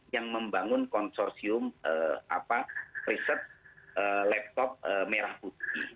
yang membangun konsorsium riset laptop merah putih